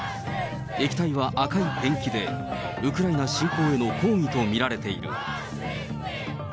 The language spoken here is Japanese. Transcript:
液体は赤いペンキで、ウクライナ侵攻への抗議と見られている。